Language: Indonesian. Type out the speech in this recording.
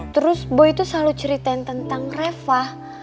terus boy itu selalu ceritain tentang reva